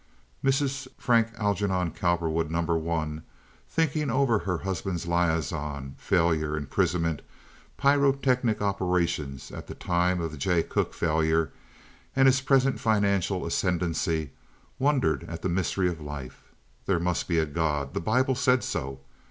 Mrs. Frank Algernon Cowperwood number one, thinking over her husband's liaison, failure, imprisonment, pyrotechnic operations at the time of the Jay Cooke failure, and his present financial ascendancy, wondered at the mystery of life. There must be a God. The Bible said so.